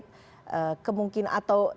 terima kasih ya mas henry